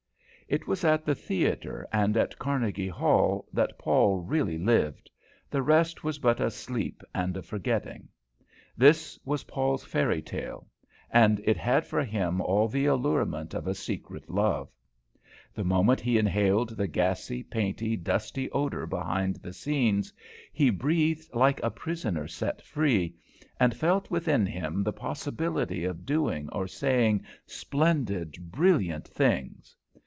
It was at the theatre and at Carnegie Hall that Paul really lived; the rest was but a sleep and a forgetting. This was Paul's fairy tale, and it had for him all the allurement of a secret love. The moment he inhaled the gassy, painty, dusty odour behind the scenes, he breathed like a prisoner set free, and felt within him the possibility of doing or saying splendid, brilliant things.